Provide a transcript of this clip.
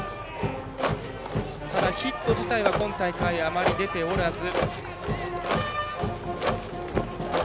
ヒット自体は、今大会あまり出ておらず。